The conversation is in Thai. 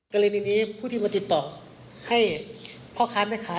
กรณีนี้ผู้ที่มาติดต่อให้พ่อค้าแม่ค้า